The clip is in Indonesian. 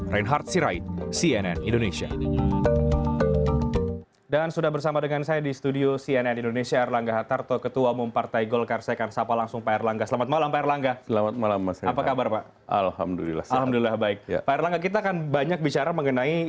reinhard sirait cnn indonesia